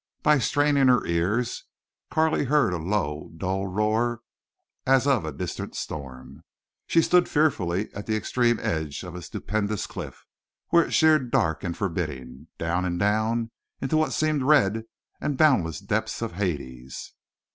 By straining her ears Carley heard a low dull roar as of distant storm. She stood fearfully at the extreme edge of a stupendous cliff, where it sheered dark and forbidding, down and down, into what seemed red and boundless depths of Hades.